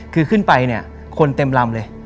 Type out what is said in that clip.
คือขึ้นไปเนี่ยคนเต็มลำเลย